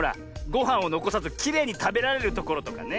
ごはんをのこさずきれいにたべられるところとかね。